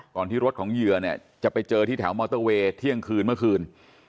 ที่รถของเหยื่อเนี่ยจะไปเจอที่แถวมอเตอร์เวย์เที่ยงคืนเมื่อคืน